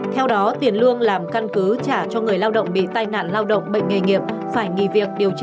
theo đó tiền lương làm căn cứ trả cho người lao động bị tai nạn lao động bệnh nghề nghiệp phải nghỉ việc điều trị